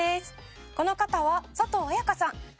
「この方は佐藤彩香さん」